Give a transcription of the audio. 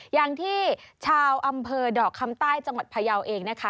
อย่างที่ชาวอำเภอดอกคำใต้จังหวัดพยาวเองนะคะ